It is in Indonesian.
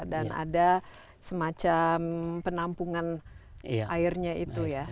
dan ada semacam penampungan airnya itu ya